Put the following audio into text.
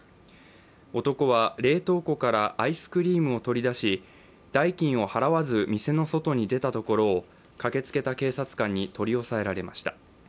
男は冷凍庫からアイスクリームを取り出し、代金を払わず店の外に出たところを駆けつけた警察官に取り押さえられました。